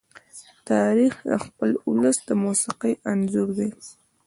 تاریخ د خپل ولس د موسیقي انځور دی.